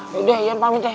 yaudah yan pamit ya